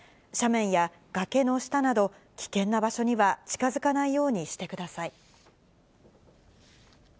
斜面や崖の下など、危険な場所には近づかないようにしてください。